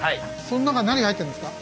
その中何が入ってるんですか？